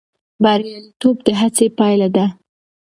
بریالیتوب د هڅې پایله ده.